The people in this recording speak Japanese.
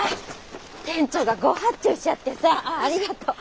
店長が誤発注しちゃってさあぁありがとう。